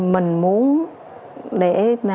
mình muốn để